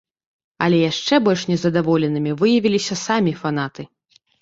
Але яшчэ больш незадаволенымі выявіліся самі фанаты.